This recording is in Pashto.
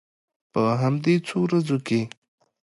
په همدې څو ورځو کې.